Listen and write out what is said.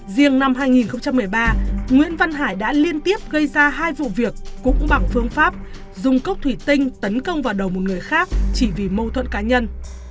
riêng năm hai nghìn một mươi ba nguyễn văn hải đã liên tiếp gây ra hai vụ việc cũng bằng phương pháp dùng cốc thủy tinh tấn công vào đầu một người khác chỉ vì mâu thuẫn cá nhân